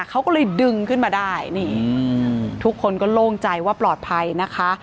เขาก็เลยดึงขึ้นมาได้นี่ทุกคนก็โล่งใจว่าปลอดภัยนะคะ